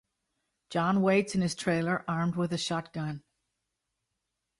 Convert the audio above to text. John waits in his trailer armed with a shotgun.